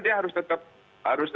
dia harus tetap tidak libur